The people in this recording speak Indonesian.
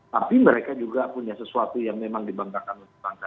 tapi mereka juga punya sesuatu yang memang dibanggakan untuk bangsa